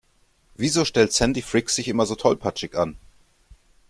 Wieso stellt Sandy Frick sich immer so tollpatschig an?